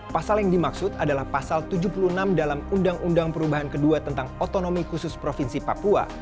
pasal yang dimaksud adalah pasal tujuh puluh enam dalam undang undang perubahan kedua tentang otonomi khusus provinsi papua